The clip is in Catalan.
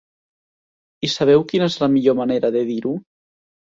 I sabeu quina és la millor manera de dir-ho?